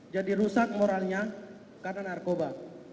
jadi rusak moralnya karena narkoba